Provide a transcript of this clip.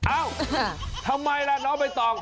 เอ้าทำไมล่ะน้องใบตอง